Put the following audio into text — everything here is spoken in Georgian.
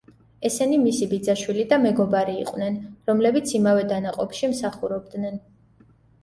ესენი მისი ბიძაშვილი და მეგობარი იყვნენ, რომლებიც იმავე დანაყოფში მსახურობდნენ.